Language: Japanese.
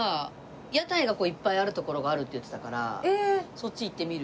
屋台がいっぱいある所があるって言ってたからそっち行ってみる？